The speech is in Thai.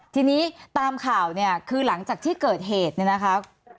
ทีนี้ตามข่าวเนี่ยคือหลังจากที่เกิดเหตุเนี่ยนะคะ